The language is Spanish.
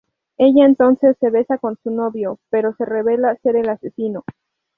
Ella entonces se besa con su novio, pero se revela ser el asesino.